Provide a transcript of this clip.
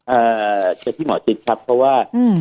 เอ่ออือใช่ที่หมอชิดครับเพราะว่าอืม